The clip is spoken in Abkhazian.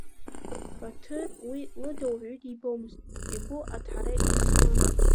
Баҭыр уи лыда уаҩы дибомызт, игәы аҭҳара еисуан.